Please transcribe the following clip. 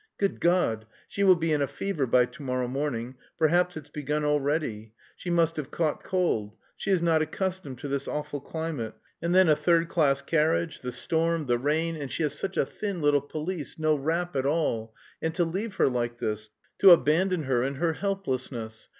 "Good God! she will be in a fever by to morrow morning; perhaps it's begun already! She must have caught cold. She is not accustomed to this awful climate, and then a third class carriage, the storm, the rain, and she has such a thin little pelisse, no wrap at all.... And to leave her like this, to abandon her in her helplessness!